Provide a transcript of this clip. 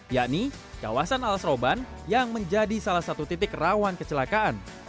yakni kawasan alas roban yang menjadi salah satu titik rawan kecelakaan